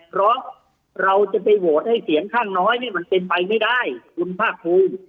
เพราะเราจะไปโหวตให้เสียงข้างน้อยเนี่ยมันเป็นไปไม่ได้คุณภาคภูมิ